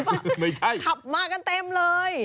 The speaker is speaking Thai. ขับมากันเต็มเลย